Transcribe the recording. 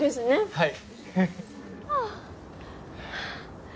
はい。